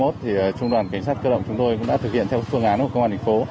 thì trung đoàn cảnh sát cơ động chúng tôi cũng đã thực hiện theo phương án của công an tp